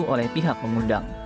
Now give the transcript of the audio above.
itu oleh pihak mengundang